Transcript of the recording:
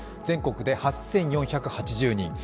全国で８４８０人。